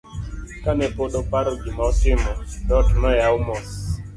kane pod oparo gima otimo, dhot noyaw mos